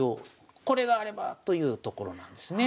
これがあればというところなんですね。